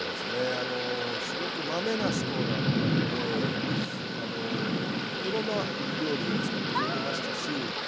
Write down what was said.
あのすごくまめな人だったのでいろんな料理をつくってくれてましたし。ああこちら佐渡さん！